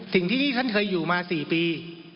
สิ่งที่ท่านเคยอยู่มา๔ปี